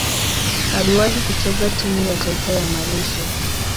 Aliwahi kucheza timu ya taifa ya Malaysia.